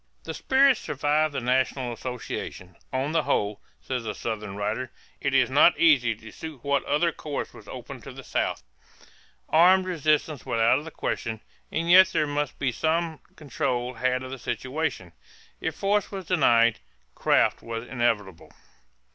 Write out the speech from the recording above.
The spirit survived the national association. "On the whole," says a Southern writer, "it is not easy to see what other course was open to the South.... Armed resistance was out of the question. And yet there must be some control had of the situation.... If force was denied, craft was inevitable."